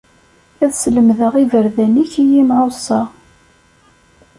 Ad slemdeɣ iberdan-ik i yimεuṣa.